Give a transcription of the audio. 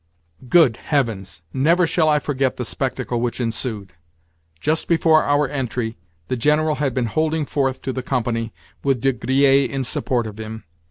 Good heavens! Never shall I forget the spectacle which ensued! Just before our entry, the General had been holding forth to the company, with De Griers in support of him.